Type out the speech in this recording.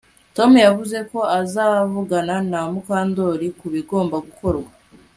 Tom yavuze ko azavugana na Mukandoli ku bigomba gukorwa